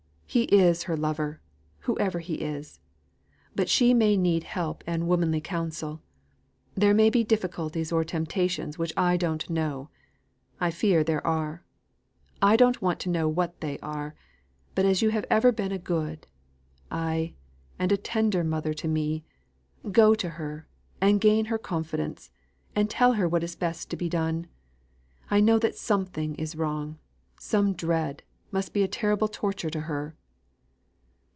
He is her lover, whoever he is; but she may need help and womanly counsel; there may be difficulties or temptations which I don't know. I fear there are. I don't want to know what they are; but as you have ever been a good ay! and a tender mother to me, go to her, and gain her confidence, and tell her what is best to be done. I know that something is wrong; some dread, which must be a terrible torture to her."